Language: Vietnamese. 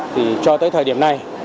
thì cho tới thời điểm này